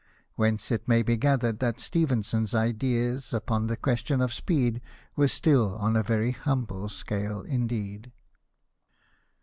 Whence it may be gathered that Ste phenson's ideas upon the question of speed were still on a very humble scale indeed.